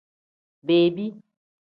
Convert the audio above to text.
Bebi.